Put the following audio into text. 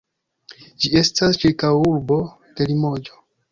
Ĝi estas ĉirkaŭurbo de Limoĝo.